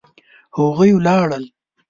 هغوی ولاړل